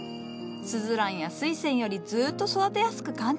スズランやスイセンよりずっと育てやすく簡単な植物じゃ。